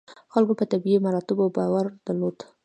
خلکو په طبیعي مراتبو باور درلود.